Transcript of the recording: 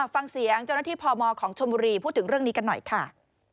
ฟังเสียงเจ้าหน้าที่พมของชมบุรีพูดถึงเรื่องนี้กันหน่อยค่ะ